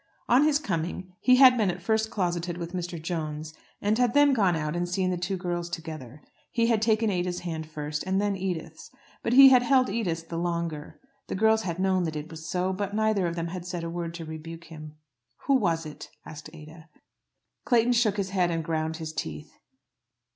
On his coming he had been at first closeted with Mr. Jones, and had then gone out and seen the two girls together. He had taken Ada's hand first and then Edith's, but he had held Edith's the longer. The girls had known that it was so, but neither of them had said a word to rebuke him. "Who was it?" asked Ada. Clayton shook his head and ground his teeth.